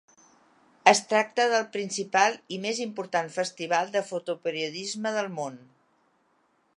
Es tracta del principal i més important festival de fotoperiodisme del món.